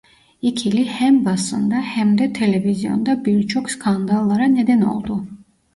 İkili hem basında hem de televizyonda birçok skandallara neden oldu.